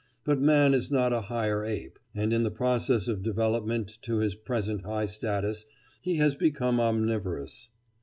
But man is not a higher ape, and in the process of development to his present high status he has become omnivorous.